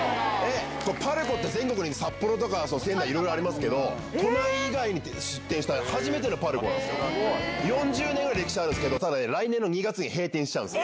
ＰＡＲＣＯって全国に札幌とか、仙台、いろいろありますけど、都内以外に出店した初めてのＰＡＲＣＯですから、４０年ぐらい歴史あるんですけど、ただね、来年の２月に閉店しちゃうんです。